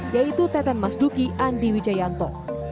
yaitu teten mas duki andi wijayanto